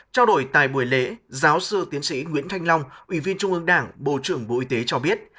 trao đổi tại buổi lễ giáo sư tiến sĩ nguyễn thanh long ủy viên trung ương đảng bộ trưởng bộ y tế cho biết